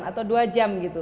atau dua jam gitu